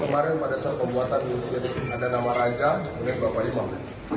pemaril pada saat pembuatan ini ada nama raja dan bapak imam